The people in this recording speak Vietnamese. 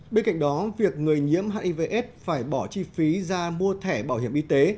bên cạnh đó việc người nhiễm hiv aids phải bỏ chi phí ra mua thẻ bảo hiểm y tế